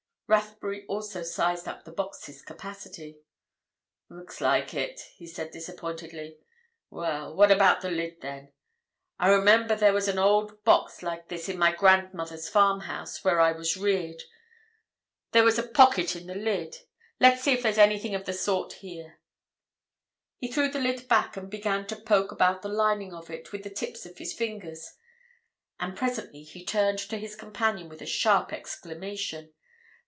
Rathbury also sized up the box's capacity. "Looks like it," he said disappointedly. "Well, what about the lid, then? I remember there was an old box like this in my grandmother's farmhouse, where I was reared—there was a pocket in the lid. Let's see if there's anything of the sort here?" He threw the lid back and began to poke about the lining of it with the tips of his fingers, and presently he turned to his companion with a sharp exclamation.